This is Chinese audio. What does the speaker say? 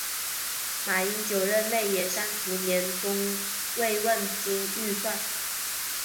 马英九任内也删除年终慰问金预算。